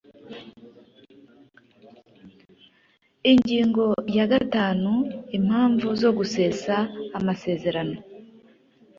Ingingo ya gatanu Impamvu zo gusesa amasezerano